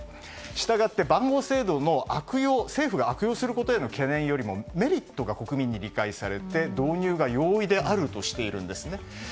したがって番号制度を政府が悪用することの懸念よりメリットが国民に理解されて導入が容易であるとしています。